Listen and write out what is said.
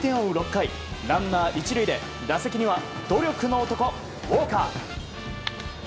６回ランナー１塁で打席には努力の男、ウォーカー。